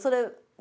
何？